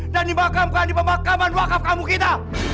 dan dimakamkan di pemakaman wakaf kamu kita